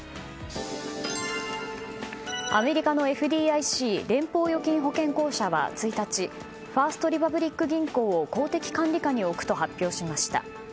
アメリカのＦＤＩＣ・連邦預金保険公社は１日ファースト・リパブリック銀行を公的管理下に置くと発表しました。